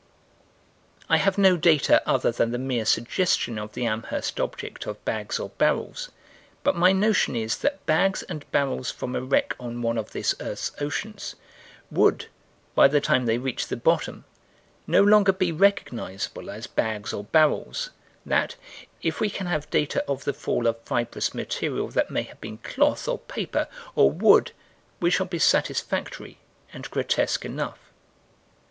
I have no data other than the mere suggestion of the Amherst object of bags or barrels, but my notion is that bags and barrels from a wreck on one of this earth's oceans, would, by the time they reached the bottom, no longer be recognizable as bags or barrels; that, if we can have data of the fall of fibrous material that may have been cloth or paper or wood, we shall be satisfactory and grotesque enough.